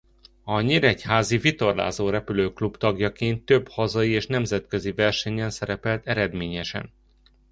A nyíregyházi vitorlázórepülő klub tagjaként több hazai és nemzetközi versenyen szerepelt eredményesen.